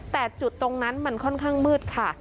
แต่จุดตรงนั้นมันค่อนข้างมืดค่ะ